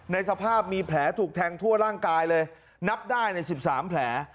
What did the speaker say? ในสภาพมีแผลถูกแทงทั่วร่างกายเลยนับได้ใน๑๓แผล